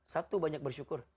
satu banyak bersyukur